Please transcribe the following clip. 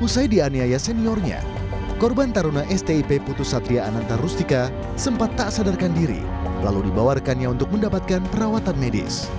usai dianiaya seniornya korban taruna stip putus satria ananta rustika sempat tak sadarkan diri lalu dibawa rekannya untuk mendapatkan perawatan medis